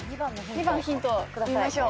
２番ヒント見ましょう。